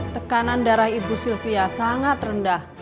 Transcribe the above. tekanan darah ibu sylvia sangat rendah